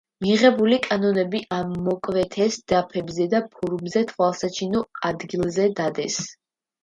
მიღებული კანონები ამოკვეთეს დაფებზე და ფორუმზე თვალსაჩინო ადგილზე დადეს.